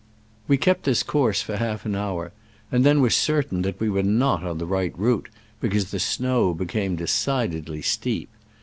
We kept this course for half an hour, and then were certain that we were not on the right route, because the snow be came decidedly steep.